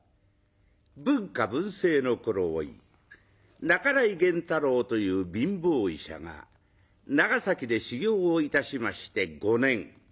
文化文政の頃おい半井源太郎という貧乏医者が長崎で修業をいたしまして５年。